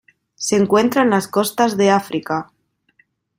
Se encuentra en las costas de África.